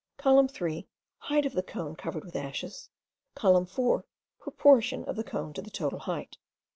Column 3: Height of the cone covered with ashes. Column 4: Proportion of the cone to the total height.